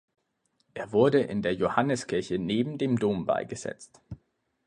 Er wurde in der Johanneskirche neben dem Dom beigesetzt.